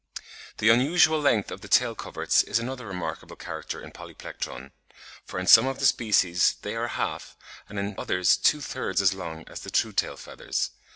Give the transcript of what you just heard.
The unusual length of the tail coverts is another remarkable character in Polyplectron; for in some of the species they are half, and in others two thirds as long as the true tail feathers.